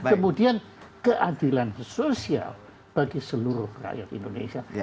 kemudian keadilan sosial bagi seluruh rakyat indonesia